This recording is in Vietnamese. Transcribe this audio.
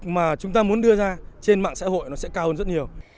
mà chúng ta muốn đưa ra trên mạng xã hội nó sẽ cao hơn rất nhiều